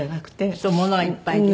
そう物がいっぱいね。